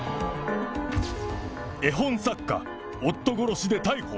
絵本作家、夫殺しで逮捕。